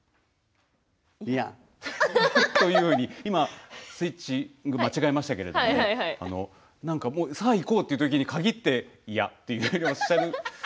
いや！というふうに今スイッチ間違えましたけれどもさあいこうときに限っていや！とおっしゃる。